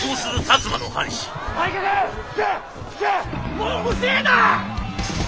もう遅えだ！